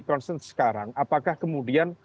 konsens sekarang apakah kemudian